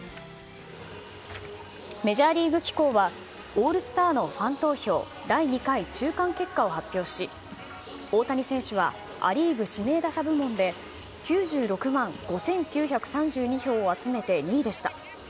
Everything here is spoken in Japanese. メジャーリーグ機構は、オールスターのファン投票第２回中間結果を発表し、大谷選手はア・リーグ指名打者部門で、９６万５９３２票を集めて２位でした。